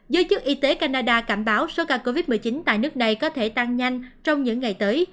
giới chức y tế canada cảnh báo số ca covid một mươi chín tại nước này có thể tăng nhanh trong những ngày tới